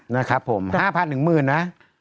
นะครับผม๕พัน๑หมื่นนะ